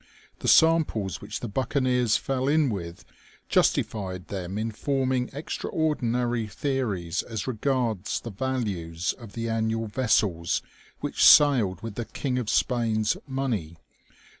The samples which the buccaneers fell in with justified them in forming extraordinary theories as regards the values of the annual vessels which sailed with the King of Spain's money.